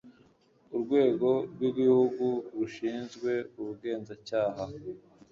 urwego rw' igihugu rushinzwe ubugenzacyaha